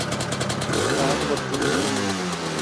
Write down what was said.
কারণ করতেই হবে কিন্তু।